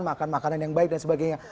makan makanan yang baik dan sebagainya